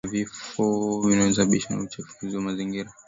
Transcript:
zinazotokana na vifo vinavyosababishwa na uchafuzi wa mazingira